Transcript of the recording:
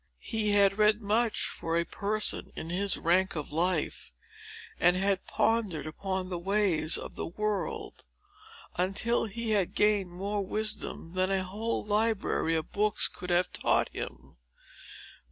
He had read much, for a person in his rank of life, and had pondered upon the ways of the world, until he had gained more wisdom than a whole library of books could have taught him.